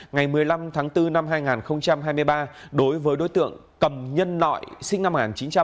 ngày một mươi năm tháng bốn năm hai nghìn hai mươi ba đối với đối tượng cầm nhân nọi sinh năm một nghìn chín trăm bảy mươi bảy